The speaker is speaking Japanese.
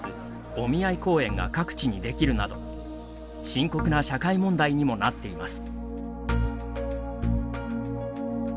「お見合い公園」が各地にできるなど深刻な社会問題にもなっています。